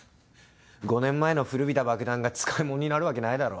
５年前の古びた爆弾が使いもんになるわけないだろ。